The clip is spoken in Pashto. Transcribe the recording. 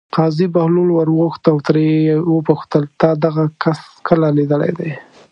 قاضي بهلول ور وغوښت او ترې ویې پوښتل: تا دغه کس کله لیدلی دی.